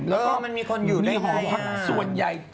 แล้วมันมีคนอยู่ได้ยังไง